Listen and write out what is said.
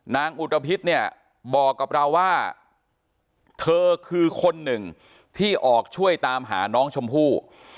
อุตภิษเนี่ยบอกกับเราว่าเธอคือคนหนึ่งที่ออกช่วยตามหาน้องชมพู่